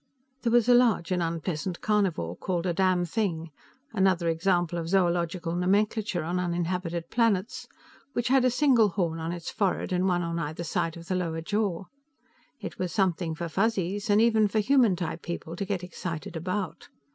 There was a large and unpleasant carnivore, called a damnthing another example of zoological nomenclature on uninhabited planets which had a single horn on its forehead and one on either side of the lower jaw. It was something for Fuzzies, and even for human type people, to get excited about.